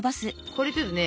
これちょっとね